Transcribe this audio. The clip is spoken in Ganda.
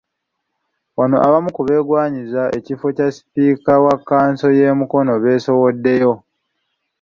Wano abamu ku beegwanyiza ekifo kya Sipiika wa kkanso y'e Mukono beesowoddeyo.